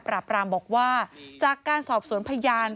รามบอกว่าจากการสอบสวนพยาน